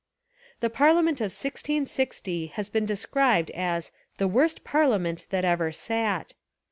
The parliament of 1660 has been described as the "worst parliament that ever sat."